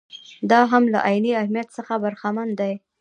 دا هم له عیني اهمیت څخه برخمن دي.